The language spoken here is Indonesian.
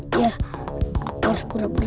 ya aku harus pura pura